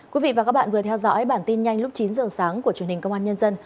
quý vị và các bạn vừa theo dõi bản tin nhanh lúc chín giờ sáng của truyền hình công an nhân dân